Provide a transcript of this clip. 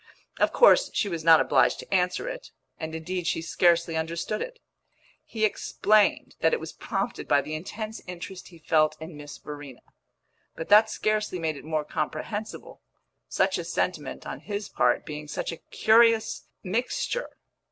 Of course she was not obliged to answer it, and indeed she scarcely understood it. He explained that it was prompted by the intense interest he felt in Miss Verena; but that scarcely made it more comprehensible, such a sentiment (on his part) being such a curious mixture.